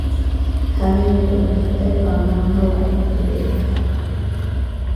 هغې وویل: د خدای په امان مه وایه، چې ډېر خطرناک دی.